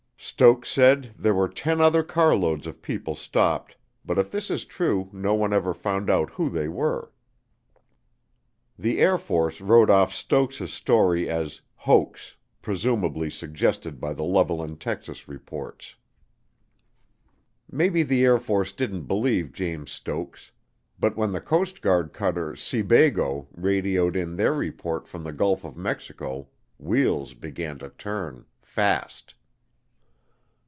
Stokes said there were ten other carloads of people stopped but if this is true no one ever found out who they were. The Air Force wrote off Stokes' story as, "Hoax, presumably suggested by the Levelland, Texas, reports." Maybe the Air Force didn't believe James Stokes but when the Coast Guard Cutter Seabago radioed in their report from the Gulf of Mexico wheels began to turn fast.